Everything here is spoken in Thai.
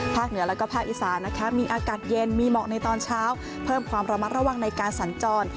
เหนือแล้วก็ภาคอีสานนะคะมีอากาศเย็นมีหมอกในตอนเช้าเพิ่มความระมัดระวังในการสัญจร